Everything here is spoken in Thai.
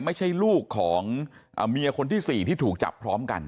ไม่ใช่ลูกของเมียคนที่๔ที่ถูกจับพร้อมกัน